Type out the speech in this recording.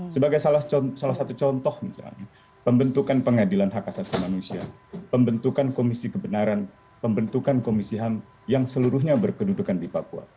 sebagai salah satu contoh misalnya pembentukan pengadilan hak asasi manusia pembentukan komisi kebenaran pembentukan komisi ham yang seluruhnya berkedudukan di papua